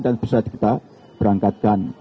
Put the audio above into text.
dan bisa kita berangkatkan